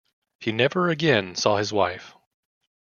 He never again saw his wife.